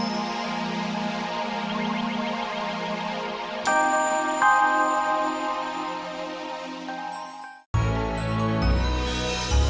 ntar tunggu saya di rumah